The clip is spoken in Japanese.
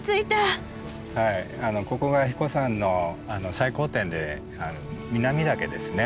ここが英彦山の最高点で南岳ですね。